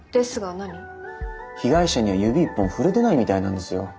被害者には指一本触れてないみたいなんですよ。